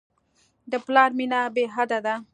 د پلار مینه بېحده ده.